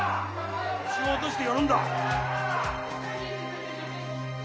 腰を落として寄るんだ！